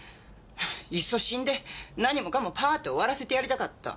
いっそ死んで何もかもパーッと終わらせてやりたかった。